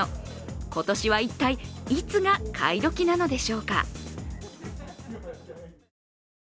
今年は一体、いつが買い時なのでしょうか。